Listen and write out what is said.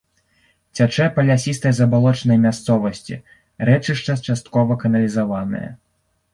Цячэ па лясістай забалочанай мясцовасці, рэчышча часткова каналізаванае.